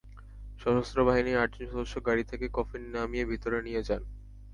সশস্ত্র বাহিনীর আটজন সদস্য গাড়ি থেকে কফিন নামিয়ে ভেতরে নিয়ে যান।